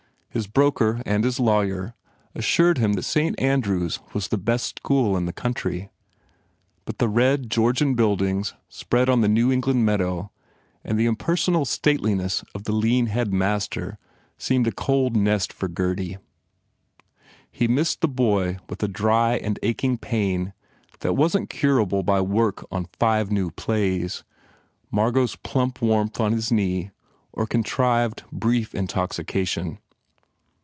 His broker and his lawyer assured him that Saint Andrew s was the best school in the country. Bur the re.:. Gecrriir. buOdiagi s;reii on the New England meadow and the impersonal stateliness of the lean Headmaster wrd a cold nest for Gurdy. He mined the boy with a dry aad aching pain that wasn t curable by work on five new plays. M argot s plump waiinlh on his knee or contrived, brief intoxication.